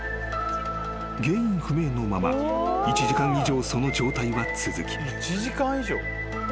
［原因不明のまま１時間以上その状態は続き］